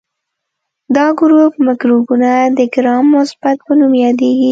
دا ګروپ مکروبونه د ګرام مثبت په نوم یادیږي.